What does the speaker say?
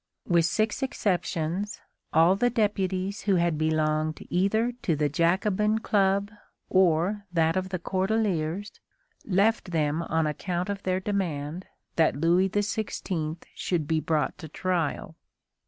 With six exceptions, all the deputies who had belonged either to the Jacobin Club or that of the Cordeliers, left them on account of their demand that Louis XVI. should be brought to trial.